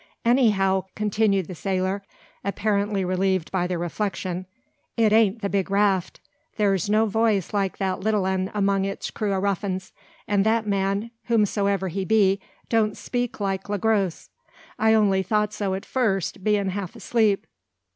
"Anyhow," continued the sailor, apparently relieved by the reflection, "It ain't the big raft. There's no voice like that little 'un among its crew o' ruffins; and that man, whosomever he be, don't speak like Le Gros. I only thought so at first, bein' half asleep.